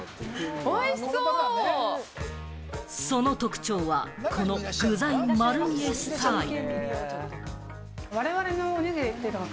その特徴は、この具材丸見えスタイル。